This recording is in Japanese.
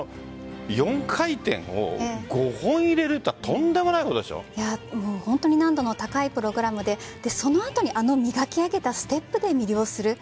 ４回転を５本入れるというのは本当に難度の高いプログラムでその後にあの磨き上げたステップで魅了する。